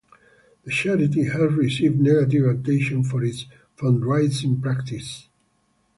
The charity has received negative attention for its fundraising practices.